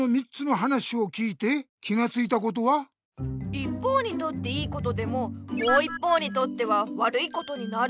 一方にとって良いことでももう一方にとっては悪いことになる。